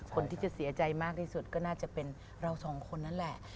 คนที่จะเสียใจมากที่สุดก็น่าจะเป็นเราสองคนนั่นแหละ